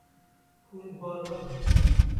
Hûn ba nadin.